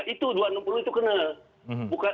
itu dua ratus enam puluh itu kena